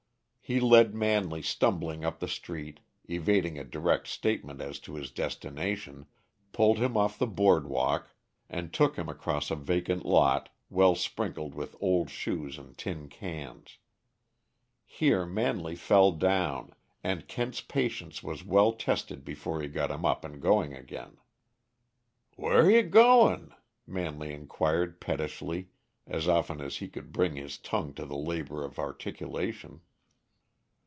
He led Manley stumbling up the street, evading a direct statement as to his destination, pulled him off the board walk, and took him across a vacant lot well sprinkled with old shoes and tin cans. Here Manley fell down, and Kent's patience was well tested before he got him up and going again. "Where y' goin'?" Manley inquired pettishly, as often as he could bring his tongue to the labor of articulation.